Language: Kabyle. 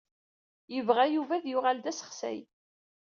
Yebɣa Yuba ad yuɣal d asexsay.